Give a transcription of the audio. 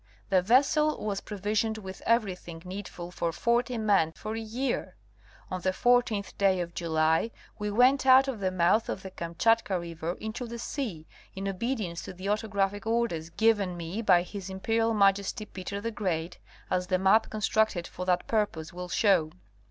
The vessel was pro visioned with everything needful for forty men for a year. On the 14th day of July we went out of the mouth of the Kamchatka river into the sea, in obedience to the autographic orders given me by his Imperial Majesty Peter the Great, as the map con structed for that purpose will show.